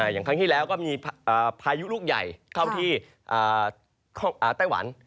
อย่างครั้งที่แล้วก็มีพายุลูกใหญ่เข้าที่ไต้หวัน